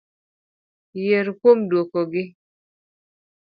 Yier kuom duoko gi.